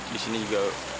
di sini juga udah mulai hujan